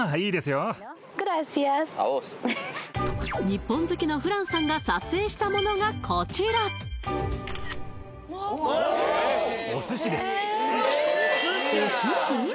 日本好きのフランさんが撮影したものがこちらお寿司？